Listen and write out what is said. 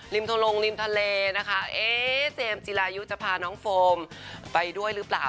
ทะลงริมทะเลนะคะเอ๊เจมส์จิรายุจะพาน้องโฟมไปด้วยหรือเปล่า